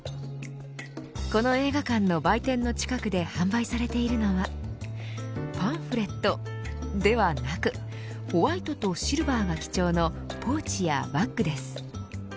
この映画館の売店の近くで販売されているのはパンフレットではなくホワイトとシルバーが基調のポーチやバッグです。